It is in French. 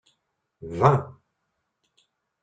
Vingt.